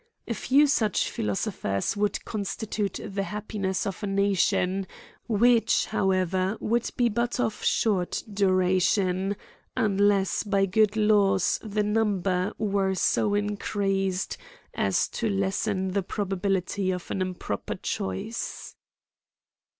A few such philosophers would con stitute the happiness of a nation ; which however would be but of short duration, unless by good laws the number were so increased as to lessen the probability of an improper choice.